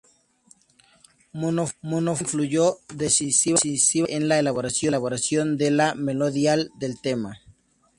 Mono Fontana influyó decisivamente en la elaboración de la melodía del tema.